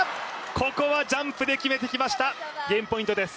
ここはジャンプで決めてきましたゲームポイントです。